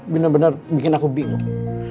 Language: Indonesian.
bener bener bikin aku bingung